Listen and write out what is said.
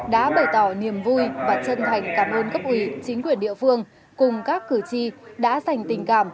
đã bày tỏ niềm vui và chân thành cảm ơn cấp ủy chính quyền địa phương cùng các cử tri đã dành tình cảm